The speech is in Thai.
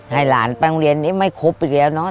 ให้หลานไปโรงเรียนนี้ไม่ครบอีกแล้วเนาะ